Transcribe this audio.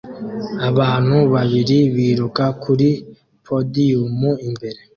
Abantu babiri biruka kuri podiyumu imbere